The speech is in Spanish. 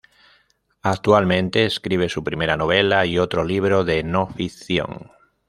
Actualmente escribe su primera novela y otro libro de no-ficción.